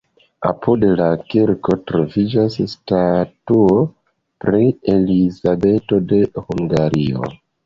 Apud la kirko troviĝas statuo pri Elizabeto de Hungario.